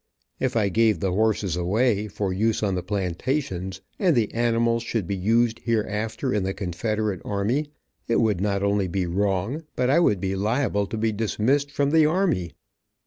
If I gave the horses away, for use on the plantations, and the animals should be used hereafter in the confederate army, it would not only be wrong, but I would be liable to be dismissed from the army.